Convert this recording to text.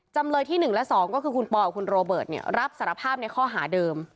จำเลยที่๑และ๒ก็คือคุณปอยคุณโรเบิร์ตรับสารภาพในข้อหาเดิม